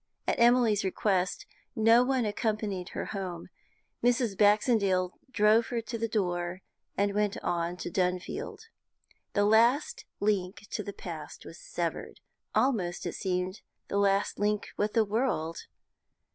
At Emily's request no one accompanied her home. Mrs. Baxendale drove her to the door, and went on to Dunfield. The last link with the past was severed almost, it seemed, the last link with the world.